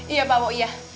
iya pak wo iya